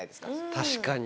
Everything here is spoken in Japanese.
確かに。